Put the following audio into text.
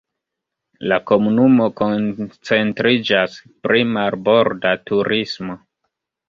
La komunumo koncentriĝas pri marborda turismo.